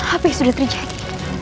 apa yang sudah terjadi